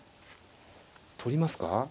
取りますか。